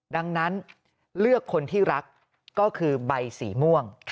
ดังนั้นเลือกคนที่รักก็คือใบสีม่วง